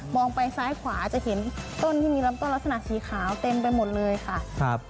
ไปซ้ายขวาจะเห็นต้นที่มีลำต้นลักษณะสีขาวเต็มไปหมดเลยค่ะครับ